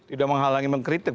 tidak menghalangi mengkritik